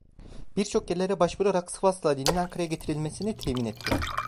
Birçok yerlere başvurarak Sıvaslı Ali'nin Ankara'ya getirilmesini temin etti.